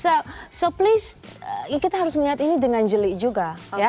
see so please kita harus lihat ini dengan jeli juga